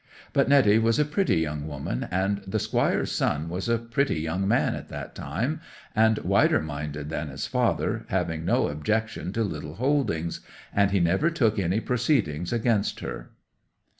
But Netty was a pretty young woman, and the Squire's son was a pretty young man at that time, and wider minded than his father, having no objection to little holdings; and he never took any proceedings against her.